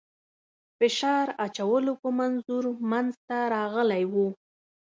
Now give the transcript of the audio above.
فشار اچولو په منظور منځته راغلی وو.